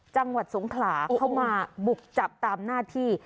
จังหวัดสงขลาเข้ามาบุกจับตามหน้าที่